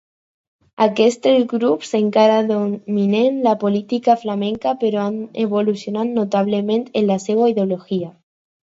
Aquests tres grups encara dominen la política flamenca, però han evolucionat notablement en la seva ideologia.